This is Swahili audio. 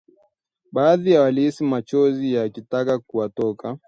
Baadhi walihisi machozi yakitaka kuwatoka